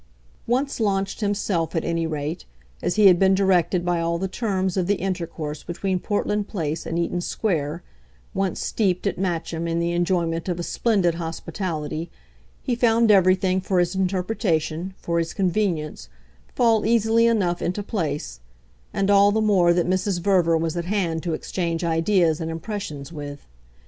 Once launched, himself, at any rate, as he had been directed by all the terms of the intercourse between Portland Place and Eaton Square, once steeped, at Matcham, in the enjoyment of a splendid hospitality, he found everything, for his interpretation, for his convenience, fall easily enough into place; and all the more that Mrs. Verver was at hand to exchange ideas and impressions with.